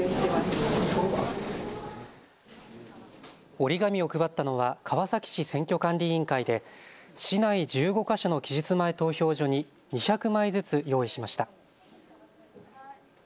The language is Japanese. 折り紙を配ったのは川崎市選挙管理委員会で市内１５か所の期日前投票所に２００枚ずつ用意しました。